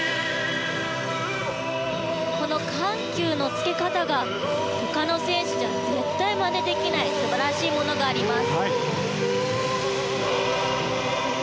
この緩急のつけ方が他の選手じゃ絶対まねできない素晴らしいものがあります。